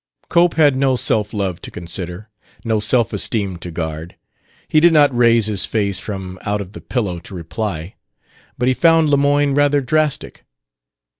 Cope had now no self love to consider, no self esteem to guard. He did not raise his face from out the pillow to reply. But he found Lemoyne rather drastic.